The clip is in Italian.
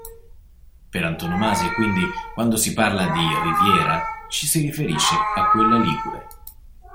Per antonomasia, quindi quando si parla di "Riviera", ci si riferisce a quella ligure.